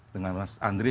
dengan mas andri